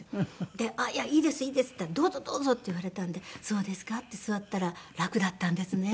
「あっいやいいですいいです」って言ったら「どうぞどうぞ」って言われたんで「そうですか」って座ったら楽だったんですね。